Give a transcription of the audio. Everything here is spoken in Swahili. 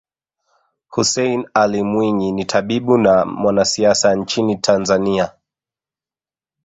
Hussein Ally Mwinyi ni tabibu na mwanasiasa nchini Tanzania